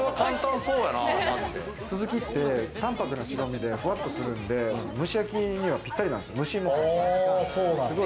スズキって淡白な白身で、ふわっとするんで蒸し焼きには、ぴったりなんですよ。